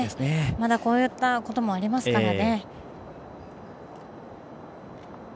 まだこういったこともありますからね。